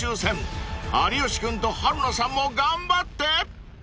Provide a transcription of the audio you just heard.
［有吉君と春菜さんも頑張って］